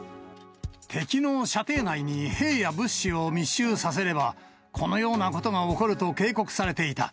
敵の射程内に兵や物資を密集させれば、このようなことが起こると警告されていた。